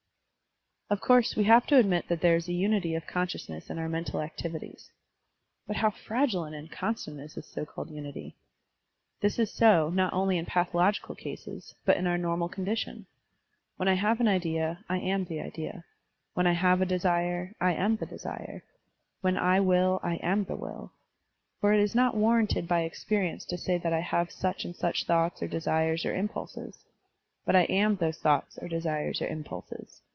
Of course, we have to admit that there is a tmity of consciousness in our mental activities. But how fragile and inconstant is this so called tmity! This is so, not only in pathological cases, but in our normal condition. When I have an idea, I am the idea; when I have a desire, I am the desire; when I will, I am the will; for it is not warranted by experience to say that I have such and such thoughts or desires or im pulses. But I am those thoughts or desires or impulses.